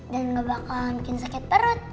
dan gak bakal bikin sakit perut